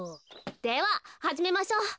でははじめましょう。